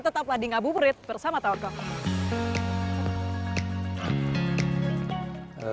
tetap lading abu merit bersama taukoko